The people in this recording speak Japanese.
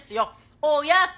おやつ！